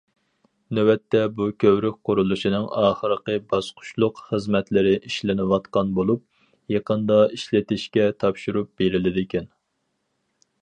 نۆۋەتتە، بۇ كۆۋرۈك قۇرۇلۇشىنىڭ ئاخىرقى باسقۇچلۇق خىزمەتلىرى ئىشلىنىۋاتقان بولۇپ، يېقىندا ئىشلىتىشكە تاپشۇرۇپ بېرىلىدىكەن.